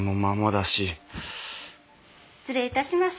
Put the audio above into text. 失礼いたします。